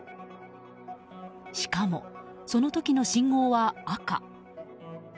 しかも、その時の信号は赤。